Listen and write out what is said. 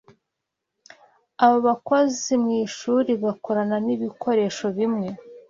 Abo bakozi mu ishuri bakorana nibikoresho bimwe